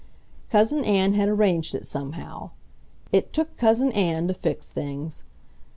Cousin Ann had arranged it somehow. It took Cousin Ann to fix things!